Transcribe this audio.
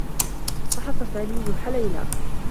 فحص سامي جرح ليلى.